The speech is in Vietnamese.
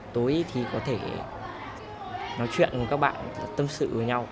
tối thì có thể nói chuyện các bạn tâm sự với nhau